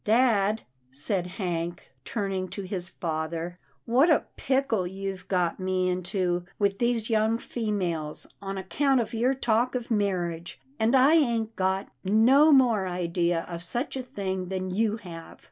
" Dad," said Hank, turning to his father, " what a pickle you've got me into with these young females, on account of your talk of marriage, and I ain't got no more idea of such a thing than you have."